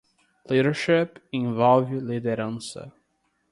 Leadership envolve liderança.